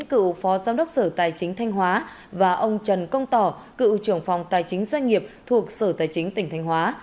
cựu phó giám đốc sở tài chính thanh hóa và ông trần công tỏ cựu trưởng phòng tài chính doanh nghiệp thuộc sở tài chính tỉnh thanh hóa